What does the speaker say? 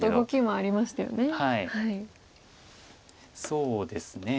そうですね。